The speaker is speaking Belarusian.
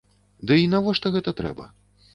Дый навошта гэта трэба?